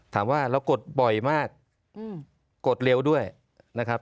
ถามว่าเรากดบ่อยมากกดเร็วด้วยนะครับ